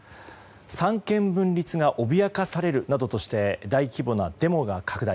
三権分立が脅かされるなどとして大規模なデモが拡大。